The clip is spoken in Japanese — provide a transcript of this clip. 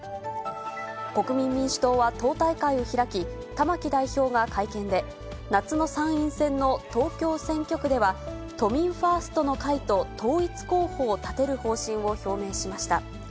国民民主党は党大会を開き、玉木代表が会見で、夏の参院選の東京選挙区では、都民ファーストの会と統一候補を立てる方針を表明しました。